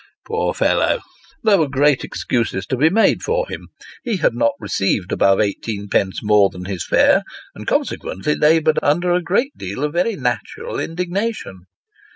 Poor fellow ! there were great excuses to be made for him : he had not received above eighteenpence more than his fare, and consequently laboured under a great deal of very natural indignation.